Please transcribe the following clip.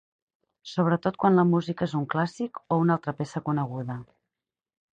Sobretot quan la música és un clàssic o una altra peça coneguda.